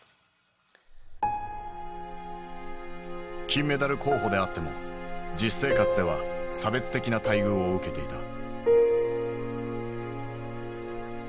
金メダル候補であっても実生活では差別的な待遇を受けていた。